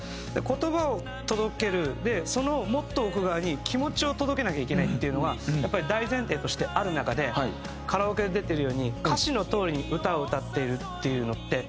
言葉を届けるそのもっと奥側に気持ちを届けなきゃいけないっていうのはやっぱり大前提としてある中でカラオケで出てるように歌詞のとおりに歌を歌っているっていうのって